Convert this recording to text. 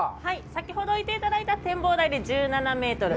先ほど見ていただいた展望台で１７メートル。